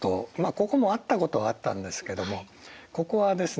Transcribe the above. ここもあったことはあったんですけどもここはですね